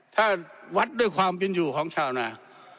ถ้าวัดด้วยความเป็นอยู่ของชาวนา